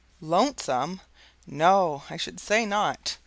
Lonesome! No, I should say not.